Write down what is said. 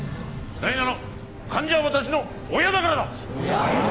「なぜなら患者は私の親だからだ！」